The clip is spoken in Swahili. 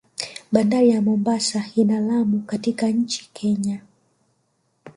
Bandari za Mombasa na Lamu katika nchi Kenya